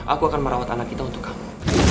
aku akan merawat anak kita untuk kamu